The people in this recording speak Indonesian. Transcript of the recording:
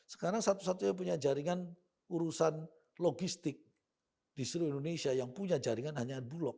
sekarang satu satunya punya jaringan urusan logistik di seluruh indonesia yang punya jaringan hanya bulog